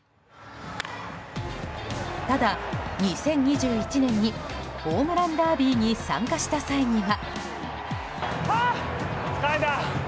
ただ、２０２１年にホームランダービーに参加した際には。